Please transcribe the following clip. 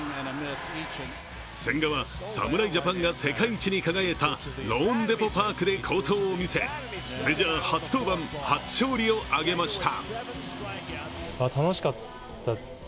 千賀は、侍ジャパンが世界一に輝いたローンデポ・パークで好投を見せ、メジャー初登板初勝利を挙げました。